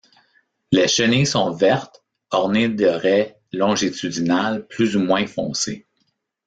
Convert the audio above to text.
Les chenilles sont vertes ornées de raie longitudinales plus ou moins foncées.